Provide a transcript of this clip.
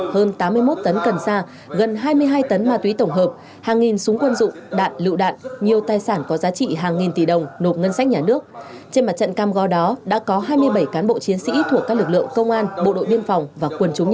hơn tám mươi một tấn cần sa gần hai mươi hai tấn ma túy tổng hợp hàng nghìn súng quân dụng đạn lựu đạn